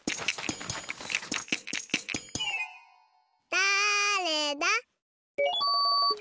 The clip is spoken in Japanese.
だれだ？